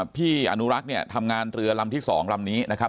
พี่อนุรักษ์เนี่ยทำงานเรือลำที่๒ลำนี้นะครับ